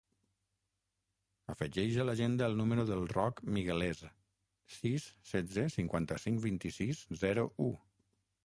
Afegeix a l'agenda el número del Roc Miguelez: sis, setze, cinquanta-cinc, vint-i-sis, zero, u.